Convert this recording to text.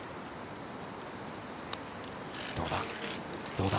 どうだ？